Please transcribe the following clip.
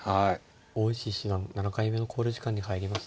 大石七段７回目の考慮時間に入りました。